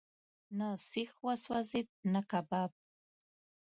نه سیخ وسوځېد، نه کباب.